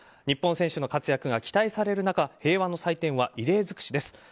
日本選手の活躍が期待される中平和の祭典は異例尽くしです。